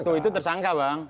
waktu itu tersangka bang